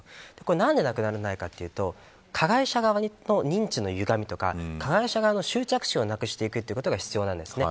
なんでなくならないかというと加害者側の認知のゆがみとか加害者側の執着心をなくしていくことが必要なんですね。